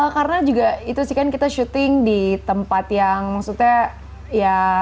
karena juga itu sih kan kita syuting di tempat yang maksudnya ya